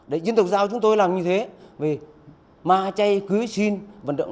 đấy dân tập giao chúng tôi làm như thế vì ma chay cưới xin vận động